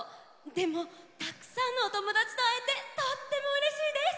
でもたくさんのおともだちとあえてとってもうれしいです！